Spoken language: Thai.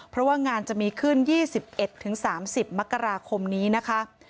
เพราะว่างานจะมีขึ้น๒๑๓๐มกราคมนี้นะคะ